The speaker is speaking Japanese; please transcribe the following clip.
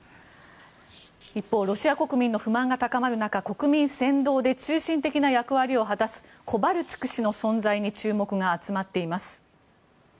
一方、ロシア国民の不満が高まる中、国民扇動で中心的な役割を果たすコバルチュク氏の存在に注目が集まっています。